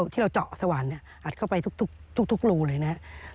ที่เราเจาะสวรรค์อัดเข้าไปทุกรูเลยนะครับ